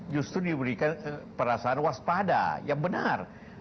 justru diberikan perasaan waspada yang benar